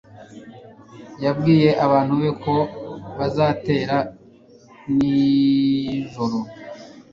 Yabwiye abantu be ko bazatera nijoro.